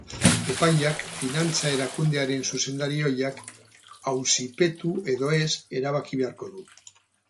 Epaileak finantza erakundearen zuzendari ohiak auzipetu edo ez erabaki beharko du.